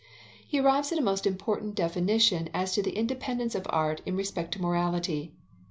He arrives at a most important definition as to the independence of art in respect to morality.